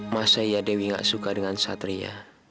masa ya dewi gak suka dengan satria